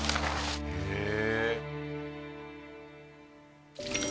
へえ。